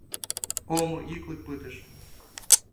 Омо йыклык пытыш.